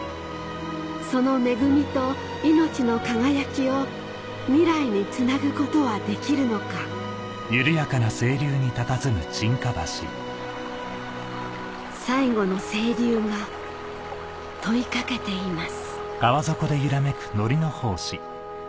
その恵みと命の輝きを未来につなぐことはできるのか最後の清流が問いかけています